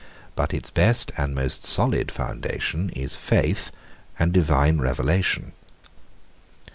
But its best and most solid foundation is faith and divine revelation.